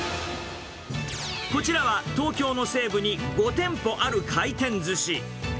こちらは東京の西部に５店舗ある回転ずし。